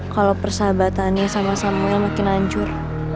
kalau persahabatannya sama samuel makin hancur